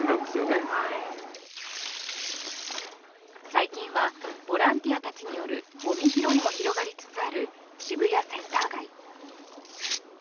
最近はボランティアたちによるごみ拾いも広がりつつある渋谷センター街。